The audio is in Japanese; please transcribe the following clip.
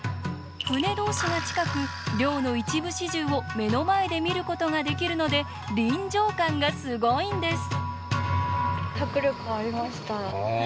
船同士が近く、漁の一部始終を目の前で見ることができるので臨場感がすごいんです。